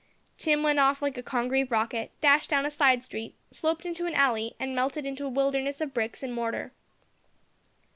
Tim went off like a congreve rocket, dashed down a side street, sloped into an alley, and melted into a wilderness of bricks and mortar.